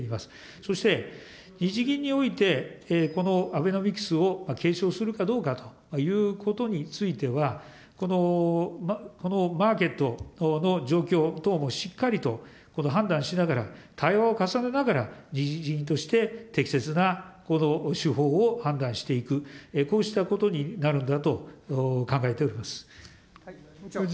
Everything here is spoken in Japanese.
そして、日銀においてこのアベノミクスを継承するかどうかということについては、このマーケットの状況等もしっかりと判断しながら、対話を重ねながら、日銀として適切な手法を判断していく、こうしたことになるんだと考えております。